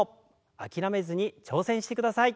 諦めずに挑戦してください。